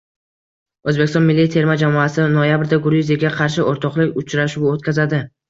O‘zbekiston milliy terma jamoasi noyabrda Gruziyaga qarshi o‘rtoqlik uchrashuvi o‘tkazadi